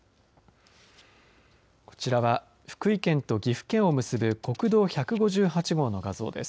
こちらは福井県と岐阜県を結ぶ国道１５８号の画像です。